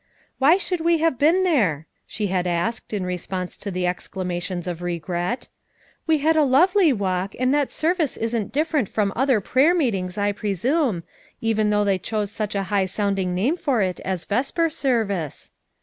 "Why should we have been there?" she had asked in response to the exclamations of re gret. "We had a lovely walk and that service isn't different from other prayer meetings, I presume, even though they choose such a high sounding name for it as vesper service."